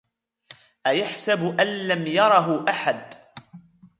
أيحسب أن لم يره أحد